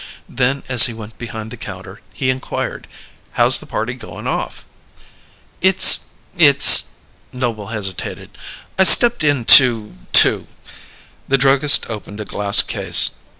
Then, as he went behind the counter, he inquired: "How's the party goin' off?" "It's it's " Noble hesitated. "I stepped in to to " The druggist opened a glass case.